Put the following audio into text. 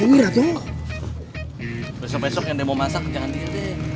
bisa besok yang demo masak jangan colok deh